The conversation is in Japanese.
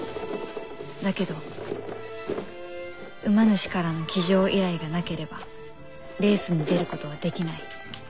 だけど馬主からの騎乗依頼がなければレースに出ることはできない。